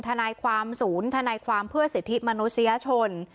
ทนายความศูนย์ทนายความเพื่อสิทธิมนุษยชน